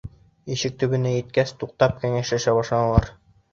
Ишек төбөнә еткәс, туҡтап, кәңәшләшә башланылар.